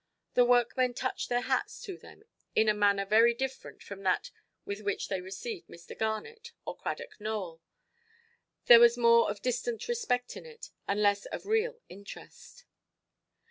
The workmen touched their hats to them in a manner very different from that with which they received Mr. Garnet or Cradock Nowell. There was more of distant respect in it, and less of real interest.